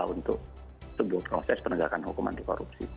untuk sebuah proses penegakan hukuman ke korupsi